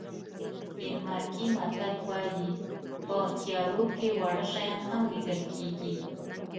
ډنمارکي متل وایي په تیارو کې واړه شیان هم لیدل کېږي.